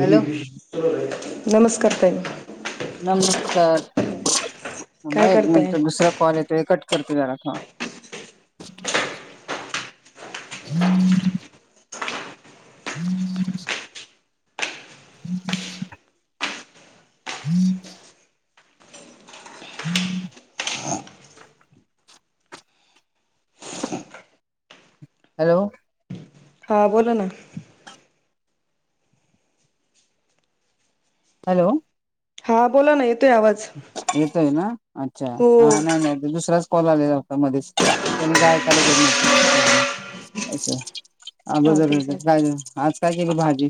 Hello नमस्कार ताई. थांब काय हा एक करताय मिनट दुसरा कॉल येतोय कट करते जरा थांब. [inaudible] [inaudible] [inaudible] [inaudible] [inaudible] हॅलो. हा बोला ना. हॅलो. हा बोला ना ये येतोय ना अच्छा हो ह नाही नाही दुसराच कॉल आलेला होता मध्येच त्यांनी काय ऐकायला येत नव्हतं एकदम असं. चालतय आगोदरचं चालतय काय म आज काय केली भाजी?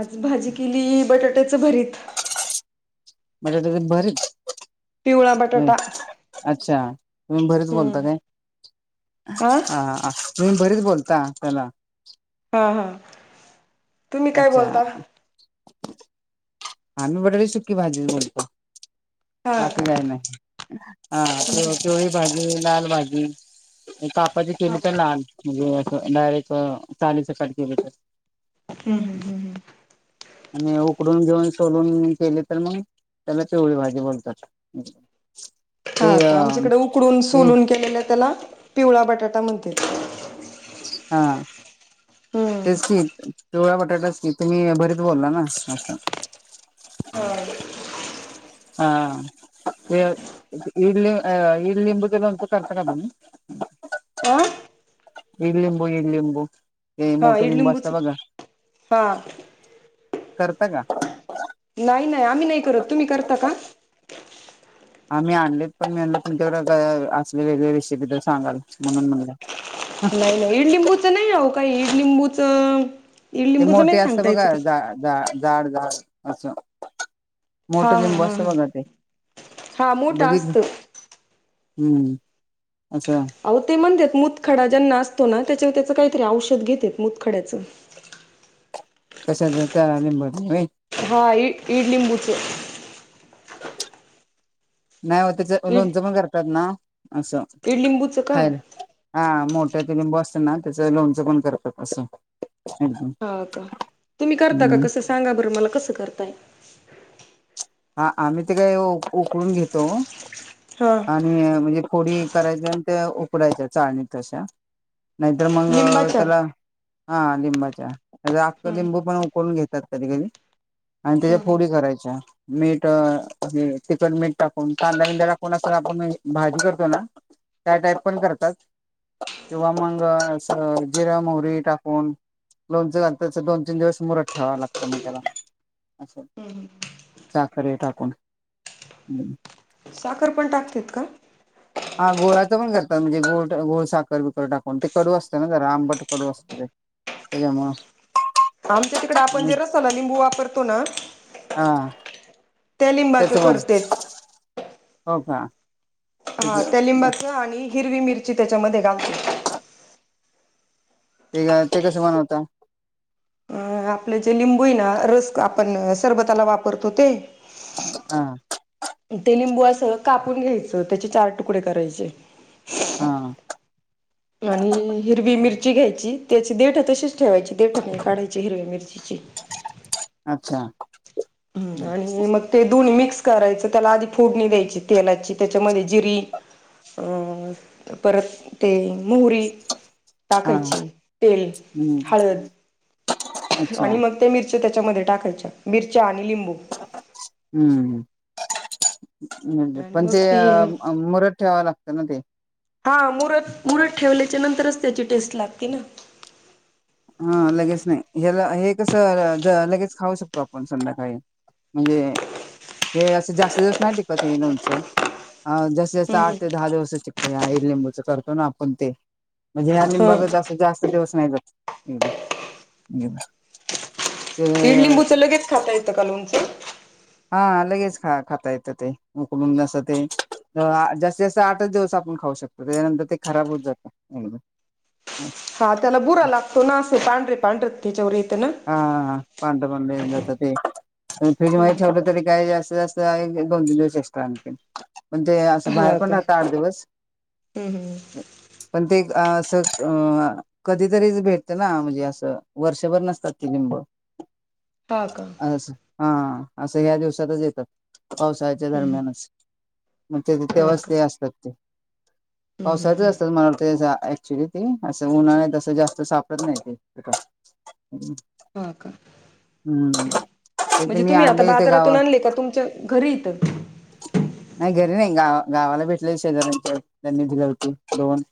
आज भाजी केली बटाट्याच भरीत. बटाट्याचं भरीत पिवळा म बटाटा हम्म अच्छा. तुम्ही भरीत बोलता काय हा हा ह. तुम्ही भरीत बोलता त्याला. हा हा तुम्ही काय अच्छा बोलता? आम्ही बटाटायची सुकी भाजीचं बोलतो. बाकी का काय नाही हा हम्म पिव हम्म. पिवळी भाजी लाल भाजी कापाची केली तर लाल म्हणजे. डायरेक्ट साली सकेट केली तर. हम् हम् हम्म हम्. आणि उकडून घेऊन सोलून केले तर मग त्याला चिवळी भाजी बोलतात. हा ते अ आमच्याकडे उकडून ते सोलून केलेलं त्याला पिवळा बटाटा म्हणते. हा तेच हम्म की. पिवळा बटाटाच की, तुम्ही भरीत बोलला ना अस. [inaudible] हा. इडली अ इडली बदल अंत करत कद.. [unintelligible] हा इडलिंबू इडलिंबू. ते हा मोठे लिंबू असत इडलिंबूच बघा हा करता का. नाही नाही आम्ही नाही करत तुम्ही करता का. हा मी आणलीत पण मी म्हलं तुमच्याकडे असले वेगळे विषयबद्दल सांगाल म्हणून म्हणलं. नाही नाही इडलिंबूच नाही राह काही इडलिंबूचं.. ते मोठे असत बघ जा जाड झाड असं. मोठ हा लिंब हा हा असत हा बघ ते हा मोठं बघितले. असतं हम्म. असं [unintelligible] मुतखडा ज्यांना असतो ना त्याच्या त्याच काहीतरी औषध घेते मुतखड्याचं. कशाच त्या लिंबाचा व्हय. हा ईड लिंबूचे. [inaudible] नाही हो त्याच इड लोणचं पण करतात ना असं इडलिंबूचं का खायला हा मोठ. ्या ब असतना त्याच लोनचं पण करतात असं. एकदम हो का तुम्ही करता का हम्म कसं सांगा बरं मला कसं करताय. हा आम्ही ते काय उकळून घेतो हा आणि म्हणजे फोडी करायची आणि ते उकडायच्या चाळणीत अशा नाही. तर मग लिंबाच्या त्याला हा लिंबाच्या आख हम्म, लिंबू पण उकळून घेत. कधी कधी आणि त्याच्या हम्म. फोडी करायच्या. मीठ तिखट मीठ टाकून कांदा बिंदा टाकून अस आपण भाजी करतो ना. त्या टाईप पण करतात. किंवा मंग अस जिरा मोहरी टाकून. लोणच दोन तीन दिवस मुरत ठेवावं लागतं मग त्याला. हम् हम. साखर हे टाकून. साखर पण टाकते का? हा गोळाचं पण करतात म्हणजे गूळ साखर बिकर टाकून ते कडू असत ना जरा आंबट कडू असतं ते तेच्या मुळ आमच्या तिकडे आपण जे रसाला लिंबू वापरतो ना हा त्या लिंबाच त्याच पण करतेत. हो का त्याच हा त्या लिंबाच आणि हिरवी मिरची त्याच्यामध्ये घालते. ते ते कसं बनवता अ आपलं जे लिंबू आहे ना रस आपण सरबताला वापरतो ते हा ते लिंबू असे कापून घ्यायचं त्याचे चार तुकडे करायचे. हा आणि हिरवी मिरची घ्यायची त्याची देठ तशीच ठेवायची देठ नाही काढायची हिरवी मिरची अच्छा. ह्म आणि मग ते दोन्ही मिक्स, करायच त्याला आधी फोडणी द्यायची तेलाची त्याच्यामध्ये जिरी, [inaudible] मोहरी, हा हम्म अच्छा आणि मग ते मिरच्या त्याच्यामध्ये टाकायच्या मिरच्या आणि लिंबू हम्म आणि पण मग ते मुरत ठेवा लागत ना ते. हा मुर मुरद ठेवल्याच्या नंतरच त्याची टेस्ट लागते ना. हा लगेच नाही ह्याला हे कस लगेच खाऊ शकतो आपण संध्याकाळी. म्हणजे हे अस जास्त दिवस नाही टिकत ये लोणच. अ जस्स जस्त हम्म हम्म आठ ते दहा दिवस टिकत या इडलिंबूच करतो ना आपण ते. म्हणजे या लिंबा हा बघत असत जास्त दिवस नाही जात. ते ईडिलिंबूचं लगेच खाता येतं का लोंचं. हा लगेच ख खाता येतं ते, उकलून जसं ते जास्तीत जास्त आठच दिवस आपण ख शकतो त्याच्यानंतर ते खराब होत जात. हा त्याला बुरा लागतो ना असे पांढरे पांढरे त्याच्यावरे. हा पांढर पन जात ते फ्रीज म हम्म ठेवलं तरी काय जास्त जास्त दोन दिन दिवस [unintelligible] पण ते अस बाहेर हा पण का राहत आठ दिवस. हम्म हम्म पण ते अस अ कधीतरीच भेटत ना म्हणजे असं वर्षभर नसतात. लिंब हा का असं हा अस ह्या दिवसातच येतात. पावसाच्या हम्म हम्म दरम्यानच मग ते हा तेव्हाच का ते असतात ते. हम्म हम्म पावसाळ्यात च असतात हम्म मला वाट ऍक्च्युली ती अस उन्हाळ्यात अस जास्त सापडत नाही ते. ह का हम्म ते ते म्हणजे मी तुम्ही आता आणले इथे बाजारातून गावात आणले का तुमच्या घरी. [unintelligible] नाही घरी नाही गाव गावाला भेटले शेजाऱ्यांच्या त्यांनी दिल होती दोन.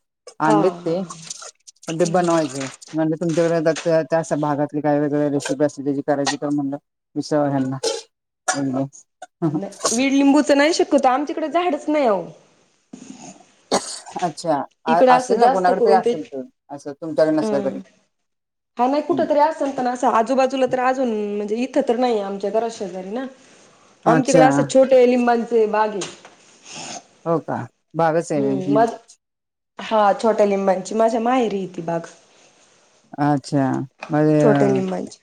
हा आणलेत हा ते पण ते हम्म बनवायचे हे तुच्याकडे त्या भागातली काही वेगळ रेसिपी असतील त्याची करायची तर म्हणल विचारावा यांना. ह वीड लिंबूच नाही शकतत आमच्याकडे झाडच नाही हो. अच्छा असेल ना जास्त कोणाकडे तरी करून ते असेल तर असं तुमच्याकडे नसल अं तरी. हा नाही कुठ तरी असेल तर नां आजूबाजूला तर अजून म्हणजे ई ख तर नाही आमच्या घरा शेजारी ना आमच्याकडे अच्छा असं छोटे लिंबांचे बाग हे. हो का हम्म मग [unintelligible] हा छोट्या लिंबांची माझ्या मायरी ती बाग. अच्छा म्हज छोट्या अ.. लिंबांची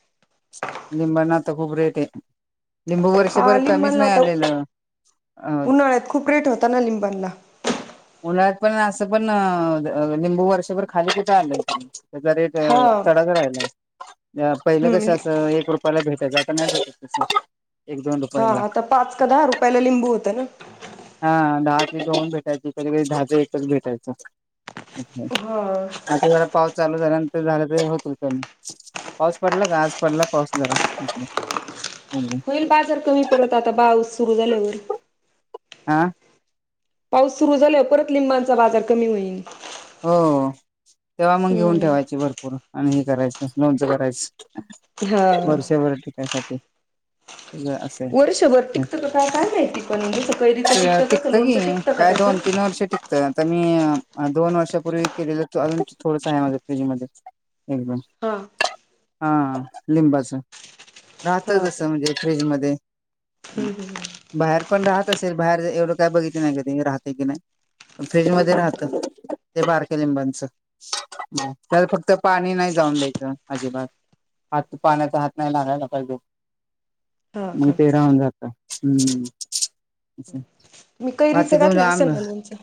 लिंबांना आता खूप रेट आहे लिंबू हा वर्षभर कमीच लिंबाणला नाही आता आलेल. उन्हाळ्यात खूप रेट होताना लिंबांला. उन्हाळ्यात पण, अ त्या पण लिंबू वर्षभर खाली कुठ आलेय त्याचा रेट हा चढच राहिलाय. पहिल कस हम्म असत रुपयाला भेटय [unintelligible] एक, दोन हा रुपयाला आता पाच का दहा रुपयाला लिंबू होतं ना हा दहा दोन भेटायचे कधी कधी दहाच एकच भेटायच हा आता पाऊस चालू झाल्यानंतर झालं तररी होत हो पाऊस पडला का आज. पडला पाऊस जरा. होईल बाजार कमी पडत आता पाऊस सुरु झाल्यावर. आा पाऊस सुरू झालं परत लिंबांचा बाजार कमी होईल. हो तेव्हा मग घेऊन हम्म ठेवायचे भरपूर आणि हे करायचं लोनच करायचं. हा वर्षभर टिकायसाठी तेजा असं आहे, वर्षभर टिकतं का काय काय माहिती पण जसं कैरीचं त्या तसं टिकतं की लोणचं टिकतं का काय त्याचं दोन ती तीनं वर्ष टिकतं आता मी मी अ दोन वर्षापूर्वी केलेलं अजून थोडस आहे माझ्या फ्रीजी मध्ये एकदम हा हा लिंबाचा. राहतं हा का तसं म्हणजे फ्रीज मध्ये हम्म. बाहेर पण राहत असेल बाहेर एवढं काय बघितलं नाही का ते राहते की नाही. फ्रीज मध्ये हम्म राहतं. ते बारक्या लिंबांचा त्याला फक्त पाणी नाही जाऊन द्यायच अजिबात. हात पाण्याचा हात नाही लागायला कायगो. हा मग का ते राहून जातं हम्म. मी कैरीच बाकी तुम घातलं सन्या लोणचं.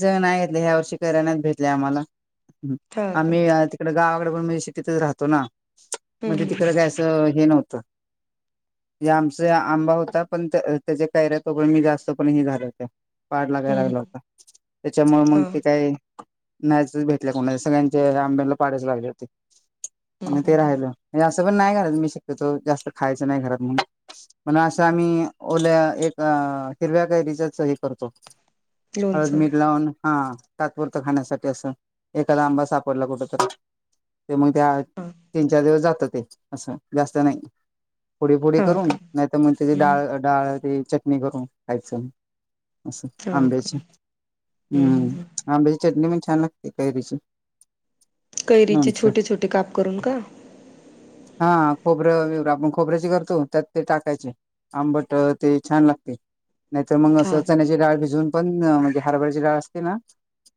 चा नाय घेतले ह्या वर्षी कराय नाय भेटल्या आम्हाला हम्म हा का आ तिकडं गावा तिकडे पण मेशी तिथं राहतो ना हम्म म्हणजे तिकडं हम्म काय अस हे नव्हतं. या आमचे आंबा होता पण त्या त्याच्या कैऱ्या तो पण मी जास्त पण हे झाल्या होत्या. पाड लागायला हम्म गेला होता त्याच्यामुळे मग हा ते नाहीचच भेटल्या कोणा सगळ्यांचे रामबेनला पाडायच लागले होते. हम्म आणि हम्म ते राहिलं असं तो पण नाही घरात मी शिकतो तो जास्त खायचा नाही घरात म्हणून पण असं आम्ही ओल्या एक अ आ हिरव्या कायरीच्याच हे करतो हम्म हळद लोणचं मीठ लावून हा तात्पुरतं खाण्यासाठी असं एकाला आंबा सापडला कुठं तरी ते मग त्या हा तीन-चार दिवस जातं ते असं जास्त नाही. फुडी फुडी हा करून का नाही तर मग त्याची हम्म डाळ डाळ ती चटणी करून खायचं. असं हा का आंबेच्या हम्म आंबे चटणी पण छान लागते कैरीची. कैरीचे लोणचं छोटे-छोटे काप करून का? हा खोबरं विवरा आपण खोबऱ्याचे करतो त्यात ते टाकायचे आंबट ते छान लागते. नाहीतर मग हा असं चण्याची डाळ भिजवून पण म्हणजे हरबरची डाळ असते ना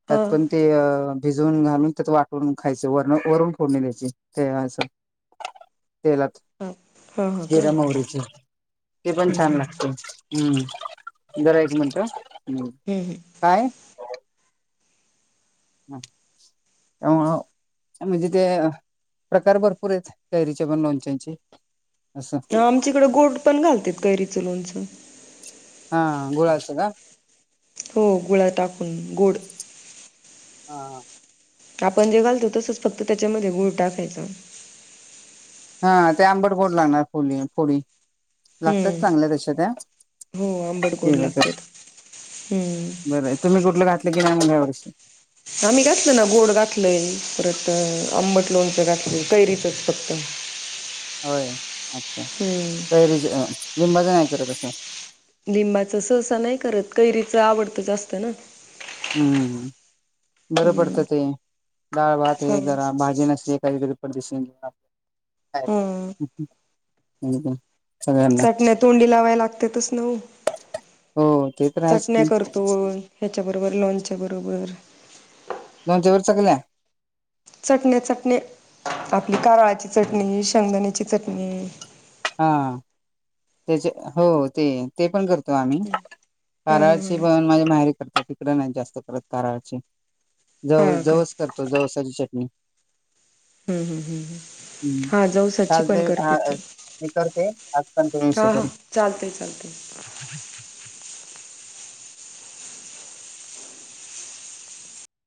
त्यात हा कोणती अ भिजवून घालून त्याचा वाटळून खायचा वरन वरून फोडणी द्यायची ते असं तेलात हा हा हा का जिरा, हम्म मोहरीचे ते पण छान हम्म लागते हम्म. जरा एक मिनटं हम्म हम्म काय हा त्यामुळं म्हणजे ते प्रकार भरपूर आहेत काैरीचे पण लोणच्यांचे. असं आमच्याकडं गोड पण घालतेत कैरीचं लोणचं हा गुळाचा का? हो गुळा टाकून गोड हा हा. आपण जे घालतो तसचं फक्त त्याच्यामध्ये गुळ टाकायचा. हा ते आंबटगोड लागणार फुली फोडी लागतात हम्म चांगल्या तश त्या हो आंबट गोड केलं तर लागतेत. बरं आहे तुम्ही कुठलं घातलं की नाही म ह्या वर्षी? आम्ही घातलं ना गोड घातलंय परत आंबट लोणचं घातलं कैरीचंच फक्त. होय अच्छा हम्म कैरीचा, अ लिंबाचा नाही कर असं लिंबाचा सहसा नाही करत कैरीचं आवडतं जास्त ना. हम्म, बरं हम्म पडतं ते डाळ भात हा हे जरा भाजी नसते हा [unintelligible] चटण्या तोंडी लावाय लागतेतच न ओ. हो ते तर आहेच चटण्या की करतो ह्याच्या बरोबर लोणच्या बरोबर. लोणच्यावर चकल्या. चटण्या चटण्या आपली कारळाची चटणी, शेंगदाण्याची चटणी. हा त्याचे हो ते ते पण करत आम्ही हा हा काराळाची पण माझी माहेरी करतेत तिकडे नाही जास्त करत काराळाची. ज हा हा का जवस करतो जवसाची चटणी. हम्म हम् हम्म हम्म हा जवसाची पण चालते करतेत्. मी करते आज कंटिन्यूशी हा हा करू चालतंय चालतंय.